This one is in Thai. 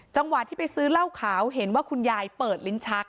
จังหวะที่ไปซื้อเหล้าขาวเห็นว่าคุณยายเปิดลิ้นชัก